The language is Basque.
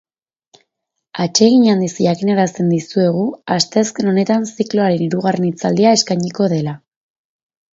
Atsegin handiz jakinarazten dizuegu asteazken honetan zikloaren hirugarren hitzaldia eskainiko dela.